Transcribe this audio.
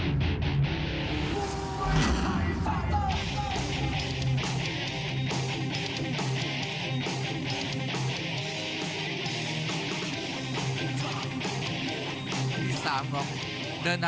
และที่สำคัญณตอนนี้เขาดังระดับโลกแล้วนะครับ